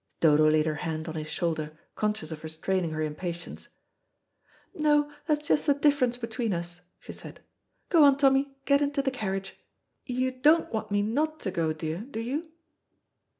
Dodo laid her hand on his shoulder, conscious of restraining her impatience. "No, that's just the difference between us," she said. "Go on, Tommy, get into the carriage. You don't want me not to go, dear, do you?"